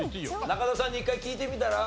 中田さんに一回聞いてみたら？